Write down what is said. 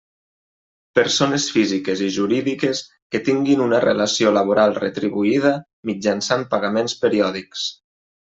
Persones físiques i jurídiques que tinguin una relació laboral retribuïda mitjançant pagaments periòdics.